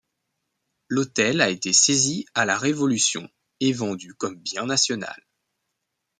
L'hôtel a été saisi à la Révolution et vendu comme bien national.